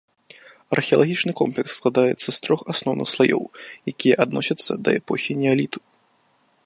Археалагічны комплекс складаецца з трох асноўных слаёў, якія адносяцца да эпохі неаліту.